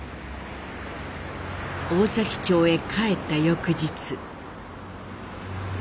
大崎町へ帰った翌日。